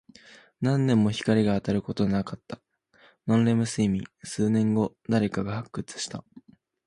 何年も光が当たることなかった。ノンレム睡眠。数年後、誰かが発掘した。